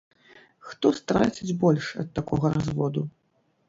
Хто страціць больш ад такога разводу?